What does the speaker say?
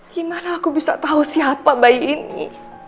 gimana aku bisa tahu siapa bayi ini